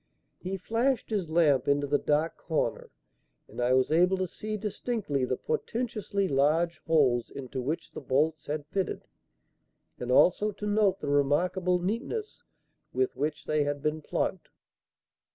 He flashed his lamp into the dark corner, and I was able to see distinctly the portentously large holes into which the bolts had fitted, and also to note the remarkable neatness with which they had been plugged.